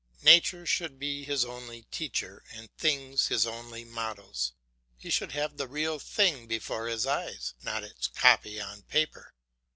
Nature should be his only teacher, and things his only models. He should have the real thing before his eyes, not its copy on paper.